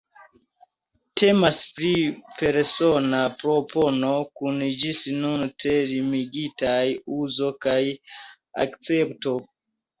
Temas pri persona propono, kun ĝis nun tre limigitaj uzo kaj akcepto.